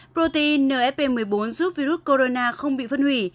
protein nfp một mươi bốn giúp virus corona không bị phân hủy